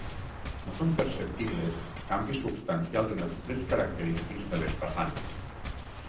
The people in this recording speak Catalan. No són perceptibles canvis substancials en els trets característics de les façanes.